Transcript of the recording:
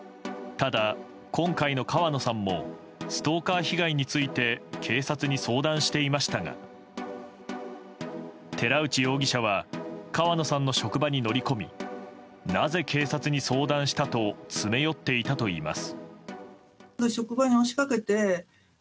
ただ、今回の川野さんもストーカー被害について警察に相談していましたが寺内容疑者は川野さんの職場に乗り込みなぜ警察に相談したと詰め寄っていたといいます。